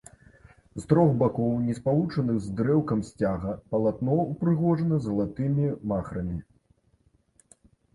З трох бакоў, не спалучаных з дрэўкам сцяга, палатно ўпрыгожана залатымі махрамі.